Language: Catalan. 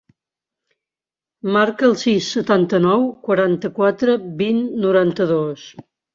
Marca el sis, setanta-nou, quaranta-quatre, vint, noranta-dos.